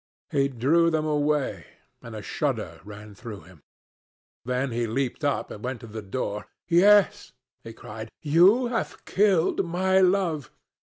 He drew them away, and a shudder ran through him. Then he leaped up and went to the door. "Yes," he cried, "you have killed my love.